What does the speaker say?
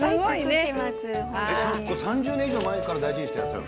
３０年以上前から大事にしてらっしゃる？